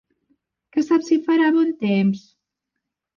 Que saps si farà bon temps?